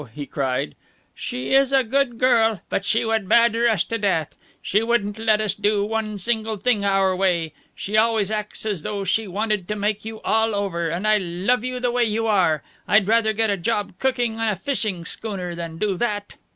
he cried. "She is a good girl, but she would badger us to death. She wouldn't let us do one single thing our way. She always acts as though she wanted to make you all over, and I love you the way you are. I'd rather get a job cooking on a fishing schooner than do that."